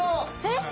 えっ！？